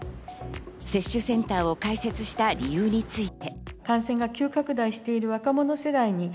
接種センターを開設した理由について。